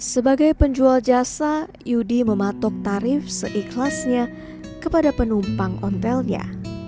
sebagai penjual jasa yudi mematok tarif seikhlasnya kepada penumpang ontelnya